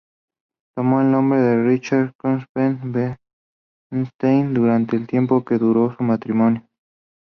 Tomó el nombre Richard Kruspe-Bernstein durante el tiempo que duró su matrimonio.